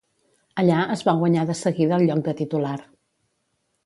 Allà es va guanyar de seguida el lloc de titular.